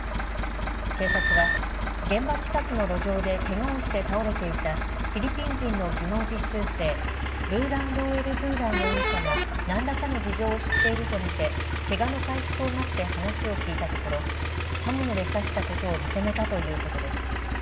警察は現場近くの路上でけがをして倒れていたフィリピン人の技能実習生、ブーラン・ローエル・ブーラン容疑者が何らかの事情を知っていると見てけがの回復を待って話を聞いたところ、刃物で刺したことを認めたということです。